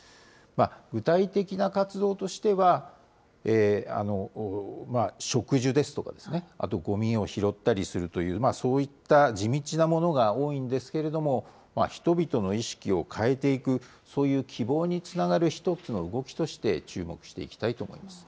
具体的な活動としては、植樹ですとか、あとごみを拾ったりするという、そういった地道なものが多いんですけれども、人々の意識を変えていく、そういう希望につながる一つの動きとして、注目していきたいと思います。